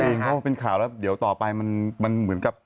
เพราะว่าเป็นข่าวแล้วเดี๋ยวต่อไปมันเหมือนกับ